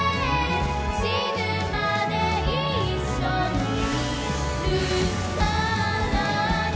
「しぬまでいっしょにいるからね」